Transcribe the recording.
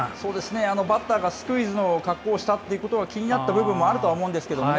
バッターがスクイズの格好をしたということは、気になった部分もあるとは思うんですけどね。